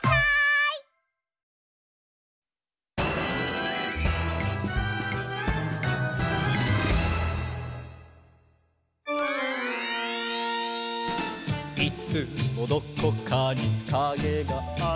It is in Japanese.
「いつもどこかにカゲがある」